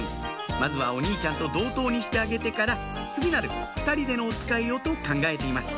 まずはお兄ちゃんと同等にしてあげてから次なる２人でのおつかいをと考えています